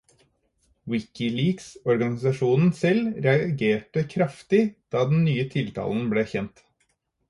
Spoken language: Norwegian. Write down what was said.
WikiLeaks-organisasjonen selv reagerte kraftig da den nye tiltalen ble kjent.